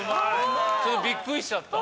ちょっとびっくりしちゃった。